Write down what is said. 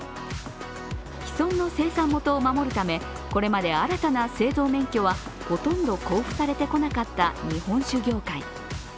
既存の生産元を守るためこれまで新たな製造免許はほとんど交付されてこなかった日本酒業界。